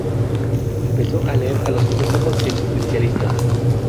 Empezó a leer a los filósofos existencialistas.